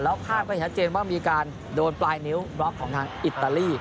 แล้วภาพก็ชัดเจนว่ามีการโดนปลายนิ้วบล็อกของทางอิตาลี